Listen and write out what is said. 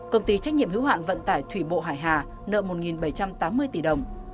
công ty trách nhiệm hữu hạn vận tải thủy bộ hải hà nợ một bảy trăm tám mươi tỷ đồng